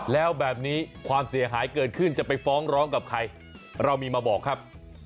แล้วแบบนี้ความเสียหายเกิดขึ้นจะไปฟ้องร้องกับใครเรามีมาบอกครับ